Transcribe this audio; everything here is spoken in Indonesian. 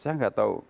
saya gak tahu